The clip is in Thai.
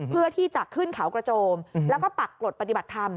เพื่อที่จะขึ้นเขากระโจมแล้วก็ปักกรดปฏิบัติธรรม